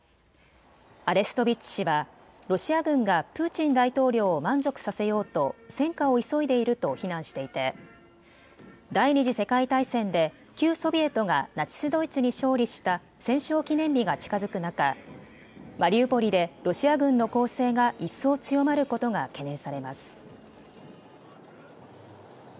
アレストビッチ氏は、ロシア軍がプーチン大統領を満足させようと、戦果を急いでいると非難していて、第２次世界大戦で、旧ソビエトがナチス・ドイツに勝利した戦勝記念日が近づく中、マリウポリでロシア軍の攻勢が一層強まることが懸念されます。